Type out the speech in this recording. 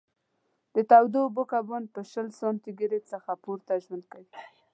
د تودو اوبو کبان په شل سانتي ګرېد څخه پورته ژوند کوي.